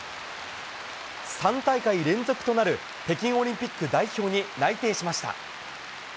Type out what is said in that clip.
３大会連続となる北京オリンピック代表に内定しました。